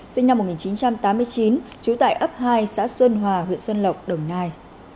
sinh năm một nghìn chín trăm tám mươi chín trú tại ấp hai xã xuân hòa huyện xuân lộc đồng nai